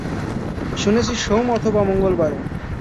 শুনেছি সোম অথবা মঙ্গলবারে।